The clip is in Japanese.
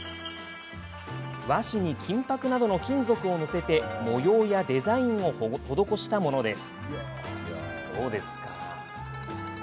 和紙に金ぱくなどの金属を載せて模様やデザインを施したものです。